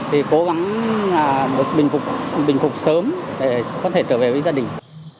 thì cố gắng bình phục sớm để có thể trở về với gia đình